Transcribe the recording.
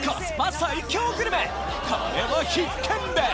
これも必見です！